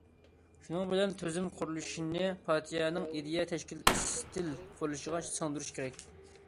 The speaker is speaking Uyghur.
شۇنىڭ بىلەن بىللە، تۈزۈم قۇرۇلۇشىنى پارتىيەنىڭ ئىدىيە، تەشكىل، ئىستىل قۇرۇلۇشىغا سىڭدۈرۈش كېرەك.